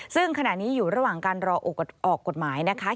ซึ่งขณะนี้อยู่ระหว่างการรอออกกฎหมายนะคะ